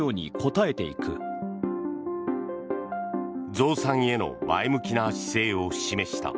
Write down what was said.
増産への前向きな姿勢を示した。